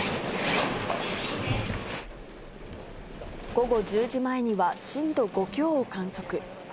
午後１０時前には、震度５強を観測。